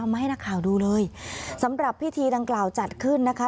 มาให้นักข่าวดูเลยสำหรับพิธีดังกล่าวจัดขึ้นนะคะ